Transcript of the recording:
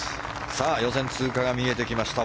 さあ、予選通過が見えてきました。